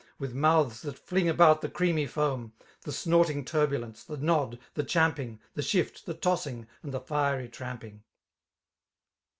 With mouths that fling about the creamy foam> The snorting turbulence, the nod, the champing. The shift, the tossing, and the fiery tramping.